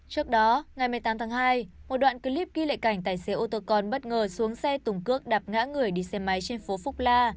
trước đó ngày một mươi tám tháng hai một đoạn clip ghi lệ cảnh tài xế ô tô con bất ngờ xuống xe tung cước đạp ngã người đi xe máy trên phố phúc la